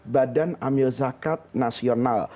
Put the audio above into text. badan amil zakat nasional